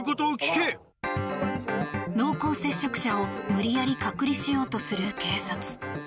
濃厚接触者を無理やり隔離しようとする警察。